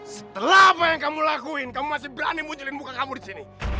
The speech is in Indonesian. setelah apa yang kamu lakuin kamu masih berani munculin muka kamu di sini